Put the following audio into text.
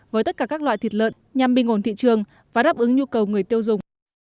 với tất cả các loại thịt lợn nhằm bình ổn thị trường và đáp ứng nhu cầu người tiêu dùng